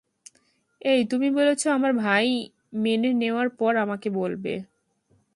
এই, তুমি বলেছ আমার ভাই মেনে নেওয়ার পর আমাকে বলবে।